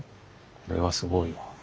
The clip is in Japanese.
これはすごいわ。